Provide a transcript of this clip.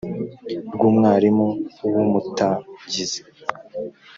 rw umwarimu w umutangizi